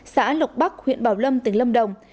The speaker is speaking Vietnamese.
xã lộc bắc huyện bảo lâm tỉnh lâm đồng